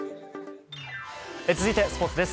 続いてスポーツです。